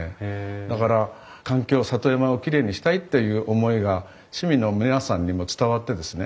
だから環境里山をきれいにしたいっていう思いが市民の皆さんにも伝わってですね